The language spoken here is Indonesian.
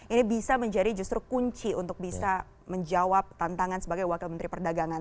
ini bisa menjadi justru kunci untuk bisa menjawab tantangan sebagai wakil menteri perdagangan